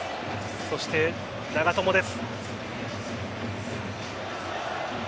そして長友です。